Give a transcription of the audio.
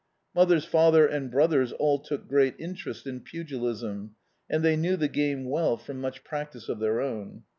Mother's father and brothers all took great interest in pugilism, and they knew the game well from much practice of their own.